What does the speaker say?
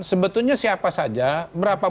sebetulnya siapa saja berapa